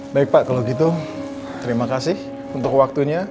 baik pak kalau gitu terima kasih untuk waktunya